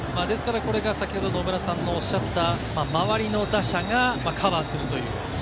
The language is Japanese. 先ほど野村さんのおっしゃった、周りの打者がカバーする。